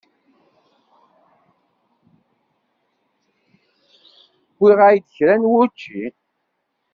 Uwiɣ-ak-d kra n wučči.